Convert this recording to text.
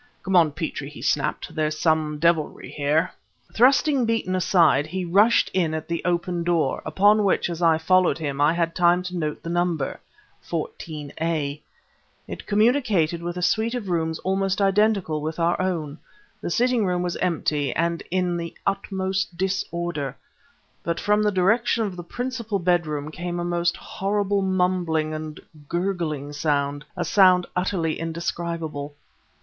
"Come on, Petrie!" he snapped. "There's some devilry here." Thrusting Beeton aside he rushed in at the open door upon which, as I followed him, I had time to note the number, 14a. It communicated with a suite of rooms almost identical with our own. The sitting room was empty and in the utmost disorder, but from the direction of the principal bedroom came a most horrible mumbling and gurgling sound a sound utterly indescribable.